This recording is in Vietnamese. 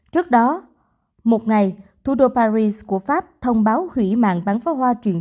trước đó một ngày thủ đô paris của pháp thông báo hủy mạng bán pháo hoa truyền